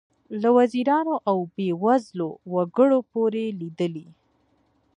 له وزیرانو او بې وزلو وګړو پورې لیدلي.